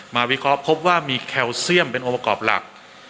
วิเคราะห์พบว่ามีแคลเซียมเป็นองค์ประกอบหลัก